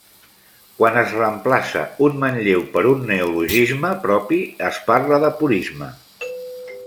Quan es reemplaça un manlleu per un neologisme propi, es parla de purisme.